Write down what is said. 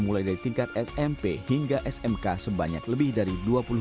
mulai dari tingkat smp hingga smk sebanyak lebih dari dua puluh